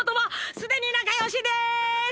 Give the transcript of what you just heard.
既に仲良しでーす！！